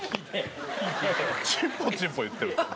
「チンポチンポ言ってる」と。